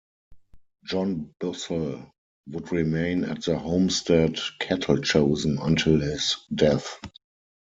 John Bussell would remain at the homestead "Cattle Chosen" until his death.